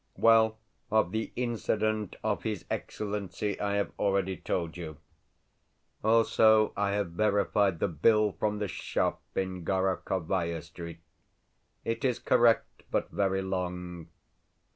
Well, of the incident of his Excellency, I have already told you. Also I have verified the bill from the shop in Gorokhovaia Street. It is correct, but very long.